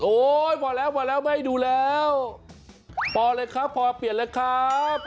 พอแล้วพอแล้วไม่ให้ดูแล้วพอเลยครับพอเปลี่ยนเลยครับ